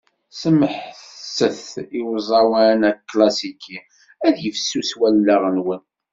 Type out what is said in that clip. Smeḥset i uẓawan aklasiki, ad yifsus wallaɣ-nwen.